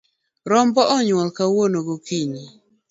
Rombo onyuol kawuono gokinyi.